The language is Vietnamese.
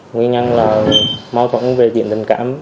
nguyên nhân là mâu thuẫn về điện tình cảm